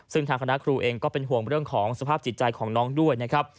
ซึ่งทางคณะครูเองก็เป็นห่วงเรื่องของสภาพจิตใจของน้องด้วยนะครับ